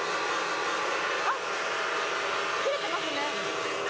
あ切れてますね